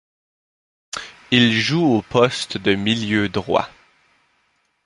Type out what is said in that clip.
Il joue au poste de milieu droit.